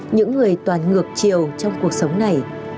những người toàn ngược chiều trong cuộc sống này